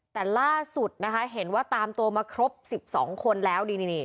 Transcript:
แต่ล่าสุดนะคะเห็นว่าตามตัวมาครบ๑๒คนแล้ว